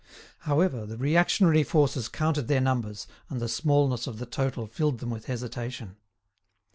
However, the reactionary forces counted their numbers, and the smallness of the total filled them with hesitation.